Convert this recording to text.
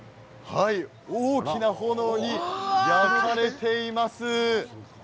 大きな炎に焼かれています。